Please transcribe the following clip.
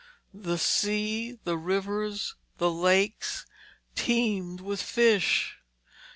The sea, the rivers, the lakes, teemed with fish.